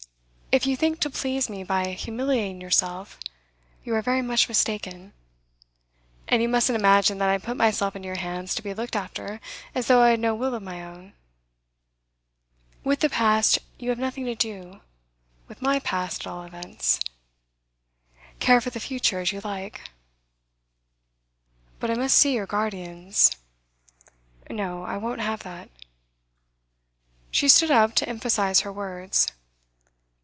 'If you think to please me by humiliating yourself, you are very much mistaken. And you mustn't imagine that I put myself into your hands to be looked after as though I had no will of my own. With the past you have nothing to do, with my past, at all events. Care for the future as you like.' 'But I must see your guardians.' 'No. I won't have that.' She stood up to emphasise her words.